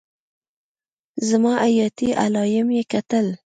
زما حياتي علايم يې کتل.